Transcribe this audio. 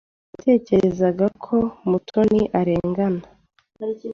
Natekereje ko Mutoni arengana.